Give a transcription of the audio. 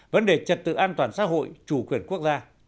vấn đề trật tự an toàn xã hội chủ quyền quốc gia